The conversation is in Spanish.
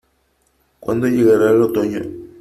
¿Cuando llegará el otoño?